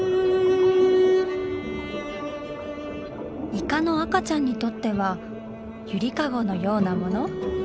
イカの赤ちゃんにとってはゆりかごのようなもの？